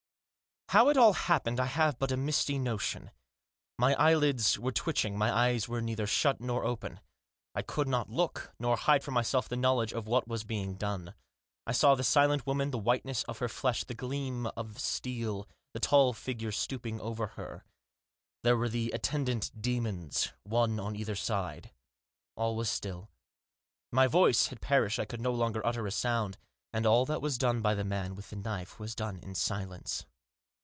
How it all happened I have but a misty notion. My eyelids were twitching ; my eyes were neither shut nor open. I could not look, nor hide from myself the knowledge of what was being done. I saw the silent woman, the whiteness of her flesh, the gleam of steel, the tall figure stooping over her. There were the attendant demons, one on either side. All was still. My voice had perished, I could no longer utter a sound. And all that was done by the man with the knife was done in silence.